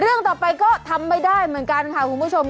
เรื่องต่อไปก็ทำไม่ได้เหมือนกันค่ะคุณผู้ชม